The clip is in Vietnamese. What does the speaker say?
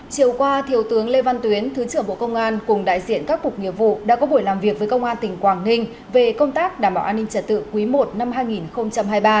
chiều qua thiếu tướng lê văn tuyến thứ trưởng bộ công an cùng đại diện các cục nghiệp vụ đã có buổi làm việc với công an tỉnh quảng ninh về công tác đảm bảo an ninh trật tự quý i năm hai nghìn hai mươi ba